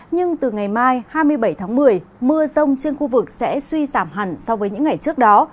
nhưng từ ngày mai hai mươi bảy tháng một mươi mưa rông trên khu vực sẽ suy giảm hẳn so với những ngày trước đó